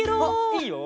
いいよ！